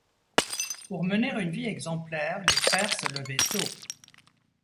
Pour mener une vie exemplaire, les frères se levaient tôt.